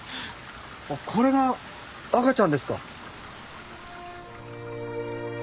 あっこれが赤ちゃんですか？